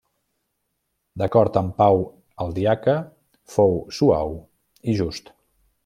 D'acord amb Pau el Diaca, fou suau i just.